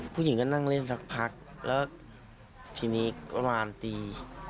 ผู้หญิงก็นั่งเล่นสักพักแล้วทีนี้ประมาณตี